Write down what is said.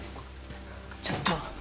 ちょっと。